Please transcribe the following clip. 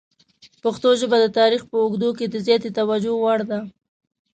پښتو ژبه د تاریخ په اوږدو کې د زیاتې توجه وړ ده.